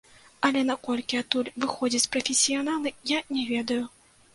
Але наколькі адтуль выходзяць прафесіяналы, я не ведаю.